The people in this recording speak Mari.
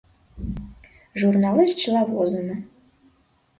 Журналеш чыла возымо.